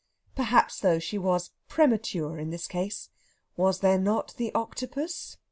Perhaps, though, she was premature in this case. Was there not the Octopus?